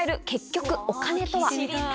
結局お金とは？